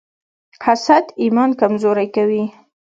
حسد ایمان کمزوری کوي.